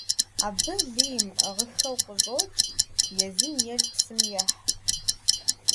Абы лы имыӀыгъыххэу къыщӀокӀ, езым ейр псым ехь.